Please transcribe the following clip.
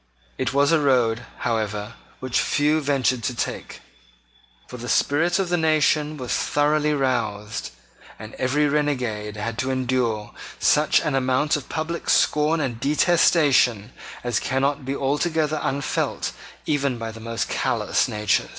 It was a road, however, which few ventured to take. For the spirit of the nation was thoroughly roused; and every renegade had to endure such an amount of public scorn and detestation, as cannot be altogether unfelt even by the most callous natures.